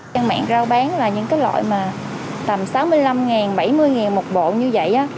trang mạng rau bán là những cái loại mà tầm sáu mươi năm bảy mươi một bộ như vậy